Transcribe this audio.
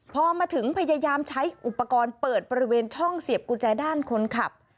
พอมาถึงพยายามใช้อุปกรณ์เปิดบริเวณช่องเสียบกุญแจด้านคนขับ